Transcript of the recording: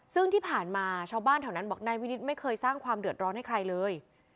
ซึ่งที่ผ่านมาชาวบ้านแถวนั้นบอกนายวินิตไม่เคยสร้างความเดือดร้อนให้ใครเลย